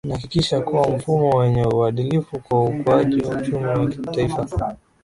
inahakikisha kuna mfumo wenye uadilifu kwa ukuaji wa uchumi wa taifa